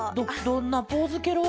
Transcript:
どんなポーズケロ？